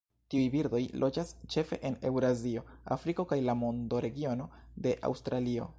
Tiuj birdoj loĝas ĉefe en Eŭrazio, Afriko kaj la mondoregiono de Aŭstralio.